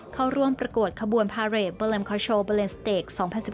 เขาร่วมประกวดขบวนภารกิจเบอร์เลมคอร์โชว์เบอร์เลนส์สเตก๒๐๑๖